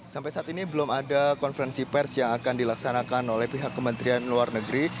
sampai saat ini belum ada konferensi pers yang akan dilaksanakan oleh pihak kementerian luar negeri